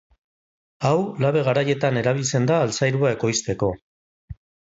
Hau labe garaietan erabiltzen da altzairua ekoizteko.